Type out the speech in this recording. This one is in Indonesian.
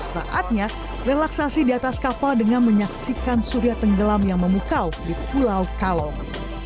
saatnya relaksasi di atas kapal dengan menyaksikan surya tenggelam yang memukau di pulau kalong